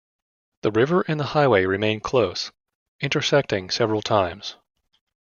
The river and the highway remain close, intersecting several times.